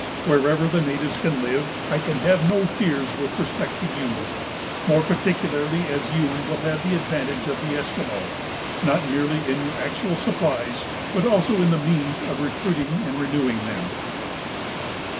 Wherever the natives can live, I can have no fears with respect to you, more particularly as you will have the advantage of the Esquimaux, not merely in your actual supplies, but also in the means of recruiting and renewing them.